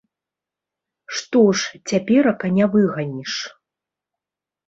Што ж, цяперака не выганіш.